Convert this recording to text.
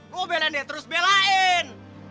lo belain deh terus belain